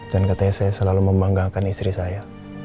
dan katanya saya selalu membanggakan istri saya